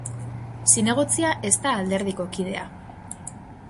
Zinegotzia ez da alderdiko kidea.